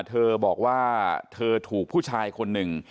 เธอบอกว่าเธอถูกผู้ชายคนหนึ่ง